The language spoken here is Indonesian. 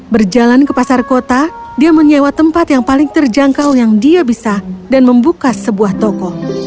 berjalan ke pasar kota dia menyewa tempat yang paling terjangkau yang dia bisa dan membuka sebuah toko